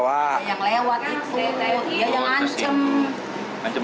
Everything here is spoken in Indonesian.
dia yang lewat itu dia yang ancem